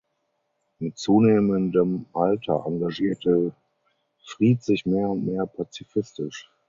Mit zunehmendem Alter engagierte Fried sich mehr und mehr pazifistisch.